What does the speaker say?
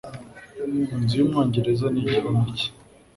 Inzu y'Umwongereza ni igihome cye